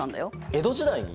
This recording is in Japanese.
江戸時代に？